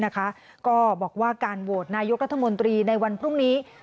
ก็บอกว่าการโหวตนายกรัฐมนตรีในวันพรุ่งนี้